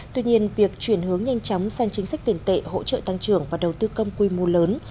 tuy nhiên việc chuyển hướng nhanh chóng sang chính sách tiền tệ hỗ trợ tăng trưởng và đầu tư công quy mô lớn